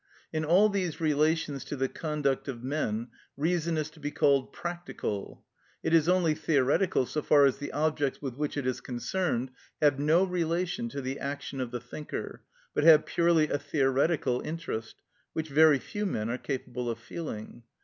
In all these relations to the conduct of men reason is to be called practical; it is only theoretical so far as the objects with which it is concerned have no relation to the action of the thinker, but have purely a theoretical interest, which very few men are capable of feeling.